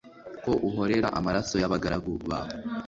ko uhorera amaraso y'abagaragu bawe